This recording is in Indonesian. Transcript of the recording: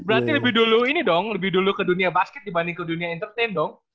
berarti lebih dulu ini dong lebih dulu ke dunia basket dibanding ke dunia entertain dong